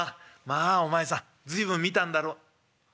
まあお前さん随分見たんだろ。